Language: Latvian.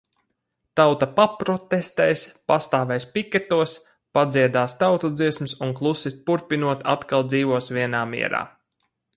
Tauta paprotestēs, pastāvēs piketos, padziedās tautas dziesmas un klusi purpinot atkal dzīvos vienā mierā.